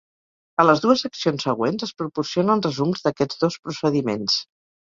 A les dues seccions següents es proporcionen resums d'aquests dos procediments.